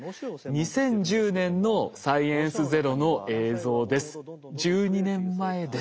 ２０１０年の「サイエンスＺＥＲＯ」の映像です。